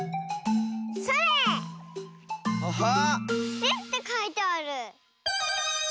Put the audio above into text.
「し」ってかいてある。